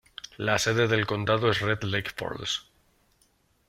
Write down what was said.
La sede del condado es Red Lake Falls.